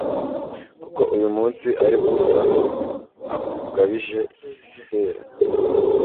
kuko uyu munsi ari bwo uhoraho akugabije sisera